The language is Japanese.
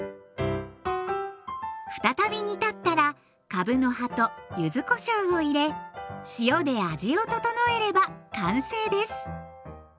再び煮立ったらかぶの葉と柚子こしょうを入れ塩で味を調えれば完成です。